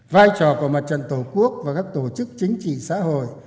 vai trò của mặt trận tổ quốc và các tổ chức chính trị xã hội